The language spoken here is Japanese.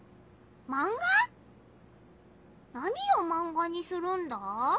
何をマンガにするんだ？